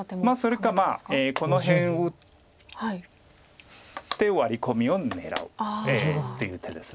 それかまあこの辺打ってワリコミを狙うっていう手です。